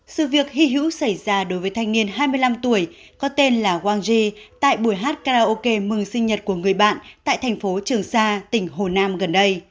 sự việc hy hữu xảy ra đối với thanh niên hai mươi năm tuổi có tên là wang y tại buổi hát karaoke mừng sinh nhật của người bạn tại thành phố trường sa tỉnh hồ nam gần đây